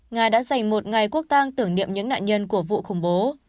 nga đã dành một ngày quốc tang tưởng niệm những nạn nhân của vụ khủng bố